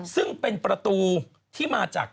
ซึ่งเป็นประตูที่มาจาก